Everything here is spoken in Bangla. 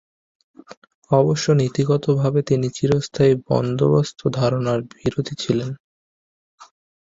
অবশ্য নীতিগতভাবে তিনি চিরস্থায়ী বন্দোবস্ত ধারণার বিরোধী ছিলেন না।